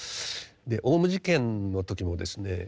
オウム事件の時もですね